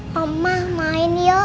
mama main yuk